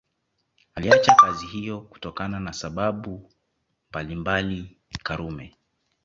Aliacha kazi hiyo kutokana na sababu mbalimbali Karume